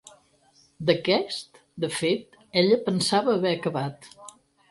D'aquests, de fet, ella pensava haver acabat.